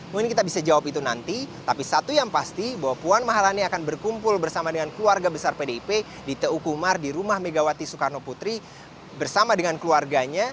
mungkin kita bisa jawab itu nanti tapi satu yang pasti bahwa puan maharani akan berkumpul bersama dengan keluarga besar pdip di tu kumar di rumah megawati soekarno putri bersama dengan keluarganya